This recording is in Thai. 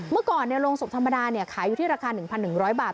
เมื่อก่อนโรงศพธรรมดาขายอยู่ที่ราคา๑๑๐๐บาท